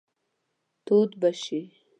تود به شئ.